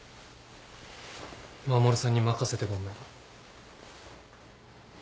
衛さんに任せてごめん。